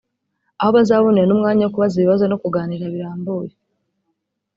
aho bazabonera n’umwanya wo kubaza ibibazo no kuganira birambuye